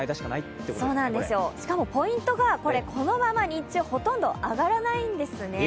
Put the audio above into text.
そうなんですよ、しかもポイントがこのまま日中ほとんど上がらないんですね。